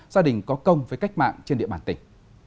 gia đình có công với cách mạng trên địa bàn tỉnh